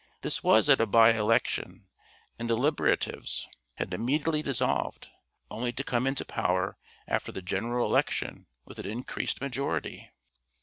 This was at a by election, and the Liberatives had immediately dissolved, only to come into power after the General Election with an increased majority.